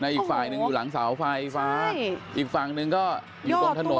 อีกฝ่ายหนึ่งอยู่หลังเสาไฟฟ้าอีกฝั่งหนึ่งก็อยู่ตรงถนน